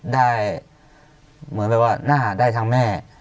ได้เหมือนแบบว่าหน้าได้ทางแม่